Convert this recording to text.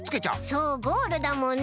そうゴールだもんね。